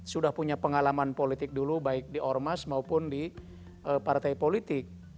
sudah punya pengalaman politik dulu baik di ormas maupun di partai politik